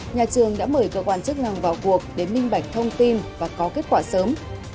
nhà trường đã mời cơ quan chức năng vào cuộc để minh bạch thông tin và có kết quả sớm